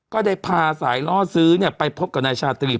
ก็ได้พาสายล่อซื้อไปพบกับนายชาตรี